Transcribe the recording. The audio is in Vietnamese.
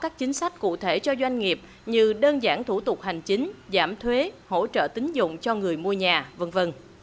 nhiều doanh nghiệp như đơn giản thủ tục hành chính giảm thuế hỗ trợ tính dụng cho người mua nhà v v